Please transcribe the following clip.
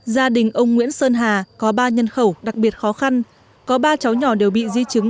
gia đình ông nguyễn sơn hà có ba nhân khẩu đặc biệt khó khăn có ba cháu nhỏ đều bị di chứng